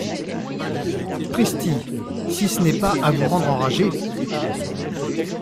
Pristi ! si ce n'est pas à vous rendre enragé !